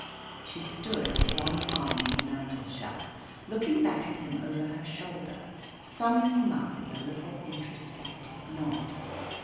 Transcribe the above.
She stood with one arm on the mantel shelf, looking back at him over her shoulder, summing him up with a little introspective nod.